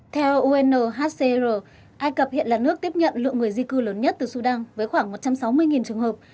theo unhcr ai cập hiện là nước tiếp nhận lượng người di cư lớn nhất từ sudan với khoảng một trăm sáu mươi trường hợp